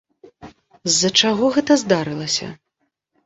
З-за чаго гэта здарылася?